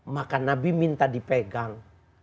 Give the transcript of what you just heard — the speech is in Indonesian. maka nabi minta dipegang